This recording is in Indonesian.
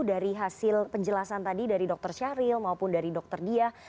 dari hasil penjelasan tadi dari dokter syahril maupun dari dokter dia